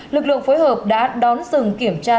lực lượng phối hợp đã đón dừng kiểm tra